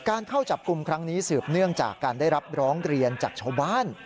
เข้าจับกลุ่มครั้งนี้สืบเนื่องจากการได้รับร้องเรียนจากชาวบ้าน